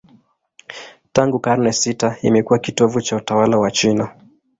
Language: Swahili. Tangu karne sita imekuwa kitovu cha utawala wa China.